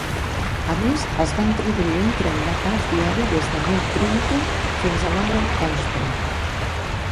A més, es va introduir un tren de pas diari des de New Brighton fins a London Euston.